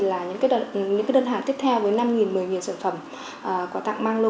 là ngang nhau